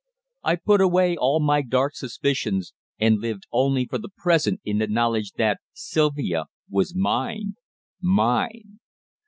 I put away all my dark suspicions, and lived only for the present in the knowledge that Sylvia was mine _mine!